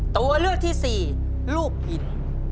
ตัวเลือกที่สี่ลูกหิน